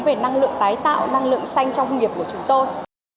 về năng lượng tái tạo năng lượng xanh trong công nghiệp của chúng tôi